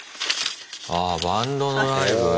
ああバンドのライブ。